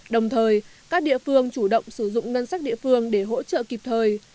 đồng thời các địa phương chủ động sử dụng ngân sách địa phương để hỗ trợ kịp thời